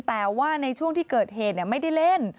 แต่ว่าในช่วงที่เกิดเหตุไม่ได้เล่น